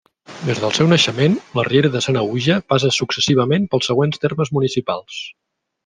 Des del seu naixement, la Riera de Sanaüja passa successivament pels següents termes municipals.